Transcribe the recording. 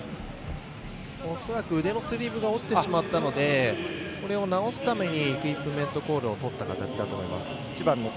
恐らく腕のスリーブが落ちてしまったので直すためにイクイップメントコールをとった形だと思います。